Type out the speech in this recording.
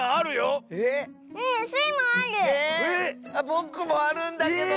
ぼくもあるんだけど！